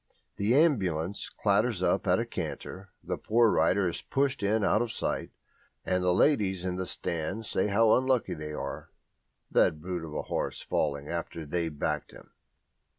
The ambulance clatters up at a canter, the poor rider is pushed in out of sight, and the ladies in the stand say how unlucky they are that brute of a horse falling after they backed him.